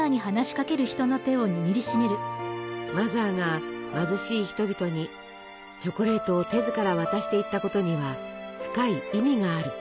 マザーが貧しい人々にチョコレートを手ずから渡していったことには深い意味がある。